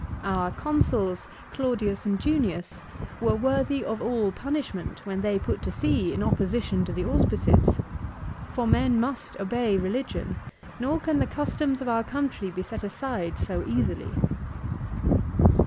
Our Consuls, Claudius and Junius, were worthy of all punishment when they put to sea in opposition to the auspices. For men must obey religion, nor can the customs of our country be set aside so easily."